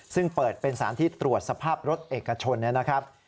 ซึ่งเปิดเป็นสารที่ตรวจสภาพรถเอกชนนะครับ